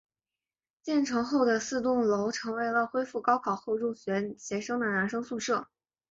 建成后的四栋楼成为了恢复高考后入学学生的男生宿舍。